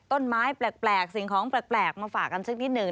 ต้นไม้แปลกสิ่งของแปลกมาฝากกันซึ่งที่๑